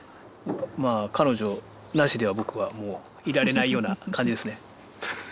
まあ彼女なしでは僕はもういられないような感じですね。